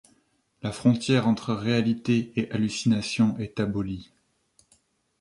La frontière entre réalité et hallucination est abolie.